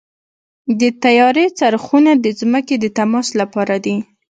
د طیارې څرخونه د ځمکې د تماس لپاره دي.